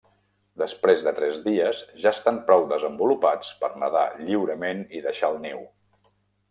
Després de tres dies, ja estan prou desenvolupats per nedar lliurement i deixar el niu.